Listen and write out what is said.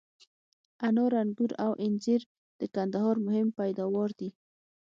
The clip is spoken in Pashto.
انار، آنګور او انځر د کندهار مهم پیداوار دي.